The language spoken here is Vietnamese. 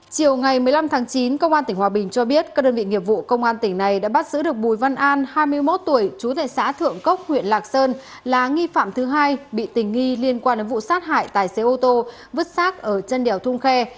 chiều ngày một mươi năm tháng chín công an tỉnh hòa bình cho biết các đơn vị nghiệp vụ công an tỉnh này đã bắt giữ được bùi văn an hai mươi một tuổi chú tại xã thượng cốc huyện lạc sơn là nghi phạm thứ hai bị tình nghi liên quan đến vụ sát hại tài xế ô tô vứt sát ở chân đèo thung khe